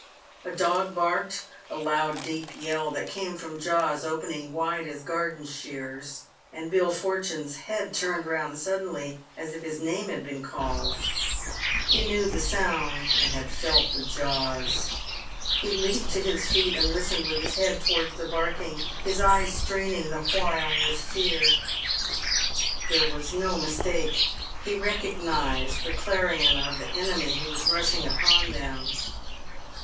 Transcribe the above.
A dog barked — a loud, deep yell that came from jaws opening wide as garden shears — and Bill Fortune's head turned round suddenly, as if his name had been called. He knew the sound, and had felt the jaws. He leaped to his feet, and listened with his head towards the barking, his eyes straining the while with fear. There was no mis take. He recognised the clarion of the enemy who was rushing upon them.